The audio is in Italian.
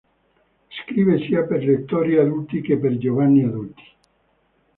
Scrive sia per lettori adulti che per giovani adulti.